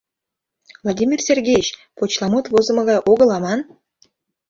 Владимир Сергеич, почеламут возымо гай огыл аман...